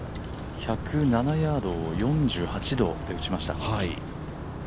１０７ヤードを４８度で打ちました。